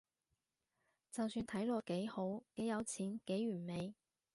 就算睇落幾好，幾有錢，幾完美